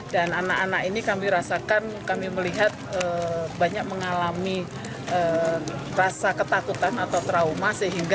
dan anak anak ini kami rasakan kami melihat banyak mengalami rasa ketakutan atau trauma